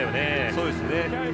そうですね。